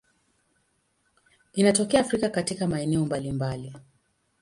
Inatokea Afrika katika maeneo mbalimbali.